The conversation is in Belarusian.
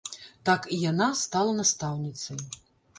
Так і яна стала настаўніцай.